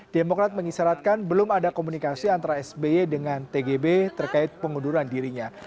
demokrat mengisyaratkan belum ada komunikasi antara sby dengan tgb terkait pengunduran dirinya